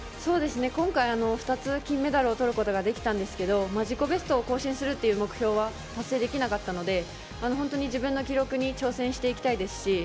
今回、２つ金メダルをとることができたんですが自己ベストを更新するという目標は達成できなかったので自分の記録に挑戦していきたいですし